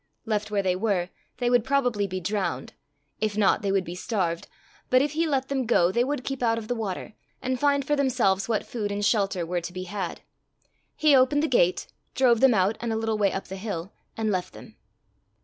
Left where they were they would probably be drowned; if not they would be starved; but if he let them go, they would keep out of the water, and find for themselves what food and shelter were to be had. He opened the gate, drove them out and a little way up the hill, and left them.